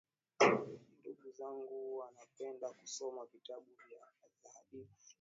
Ndugu zangu wanapenda kusoma vitabu za hadithi